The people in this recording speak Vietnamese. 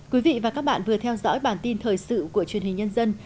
quý vị và các bạn vừa theo dõi bản tin thời sự của truyền hình nhân dân